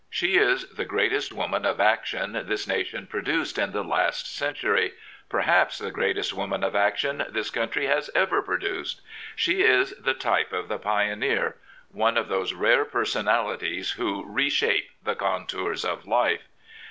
She is the greatest woman of action this nation produced in the last century — perhaps the greatest woman of action this country has ever produced. She is the type of the pioneer — one of those rare personalities who reshape the contours of life.